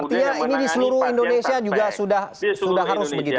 artinya ini di seluruh indonesia juga sudah harus begitu ya